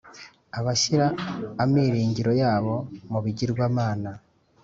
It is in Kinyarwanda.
abashyira amiringiro yabo mu bigirwamana,